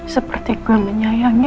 seperti gue menyayangi